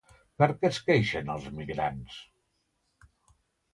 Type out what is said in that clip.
Per què es queixen els migrants?